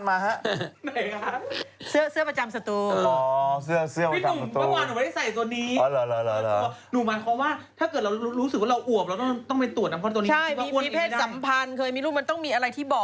แหล่ะเพราะม่ะครับ